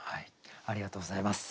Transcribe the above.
ありがとうございます。